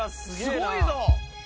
すごいぞ。